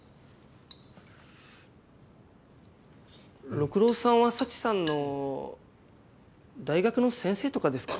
六郎さんは佐知さんの大学の先生とかですか？